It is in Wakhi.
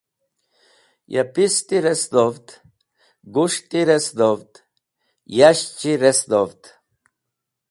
Ya pisti resdhovd, gus̃hti resdhovd, yashchi resdhovd.